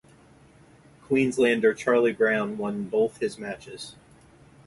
Queenslander Charlie Brown won both his matches.